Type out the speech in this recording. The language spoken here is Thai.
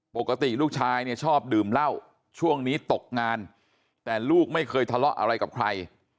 ปกติลูกชายเนี่ยชอบดื่มเหล้าช่วงนี้ตกงานแต่ลูกไม่เคยทะเลาะอะไรกับใคร